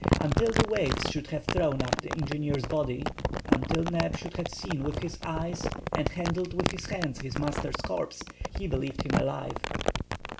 Until the waves should have thrown up the engineer's body—until Neb should have seen with his eyes and handled with his hands his master's corpse, he believed him alive.